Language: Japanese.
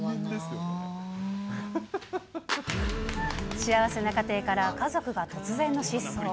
幸せな家庭から家族が突然の失踪。